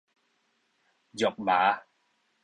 肉麻